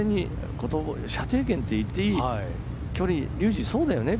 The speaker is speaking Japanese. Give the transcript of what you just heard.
射程圏といっていい距離だよね？